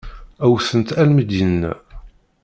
Wwten-t almi i d-yenna.